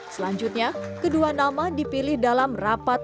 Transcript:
selanjutnya kedua nama dipilih dalam rapat